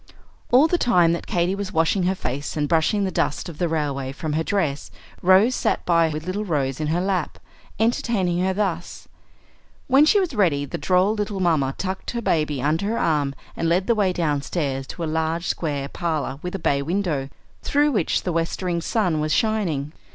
All the time that Katy was washing her face and brushing the dust of the railway from her dress, Rose sat by with the little Rose in her lap, entertaining her thus. When she was ready, the droll little mamma tucked her baby under her arm and led the way downstairs to a large square parlor with a bay window, through which the westering sun was shining.